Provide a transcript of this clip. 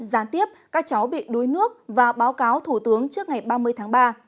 gián tiếp các cháu bị đuối nước và báo cáo thủ tướng trước ngày ba mươi tháng ba